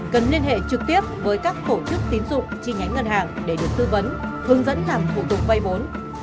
cần liên hệ trực tiếp với các tổ chức tín dụng chi nhánh ngân hàng để được tư vấn hướng dẫn làm thủ tục vay vốn